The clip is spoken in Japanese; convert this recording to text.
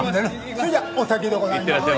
それじゃお先でございます。